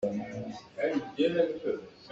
An cawleng an phel hral cang.